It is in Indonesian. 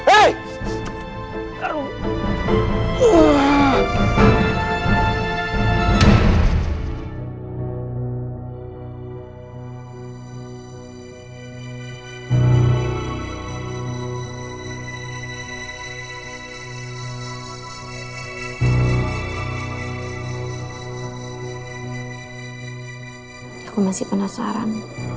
aku masih penasaran